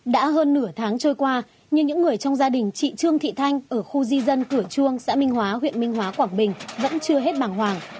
đã hơn nửa tháng trôi qua nhưng những người trong gia đình chị trương thị thanh ở khu di dân cửa chuông xã minh hóa huyện minh hóa quảng bình vẫn chưa hết bằng hoàng